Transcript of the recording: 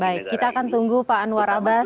baik kita akan tunggu pak anwar abbas